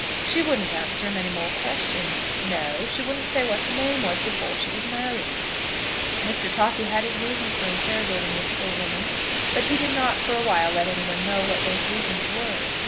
She wouldn't answer him any more questions. No; she wouldn't say what her name was before she was married." Mr. Toffy had his reasons for interrogating this poor woman, but he did not for a while let any one know what those reasons were.